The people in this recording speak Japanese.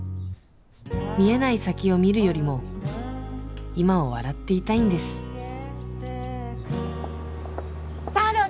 見えない先を見るよりも今を笑っていたいんですたろ